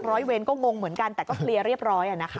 ร้อยเวรก็งงเหมือนกันแต่ก็เคลียร์เรียบร้อยนะคะ